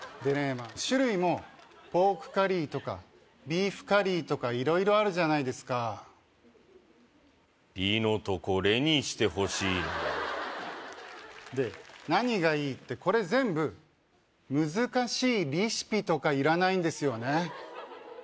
まあ種類もポークカリーとかビーフカリーとか色々あるじゃないですか「リ」のとこ「レ」にしてほしいなで何がいいってこれ全部難しいリシピとかいらないんですよね